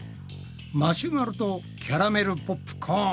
マシュマロとキャラメルポップコーン